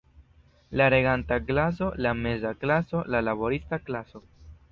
La reganta klaso, la meza klaso, la laborista klaso.